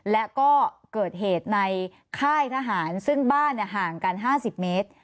และก็เกิดเหตุในค่ายทหารซึ่งบ้านห่างกัน๕๐เมตร